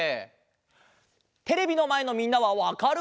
テレビのまえのみんなはわかる？